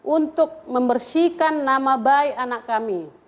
untuk membersihkan nama baik anak kami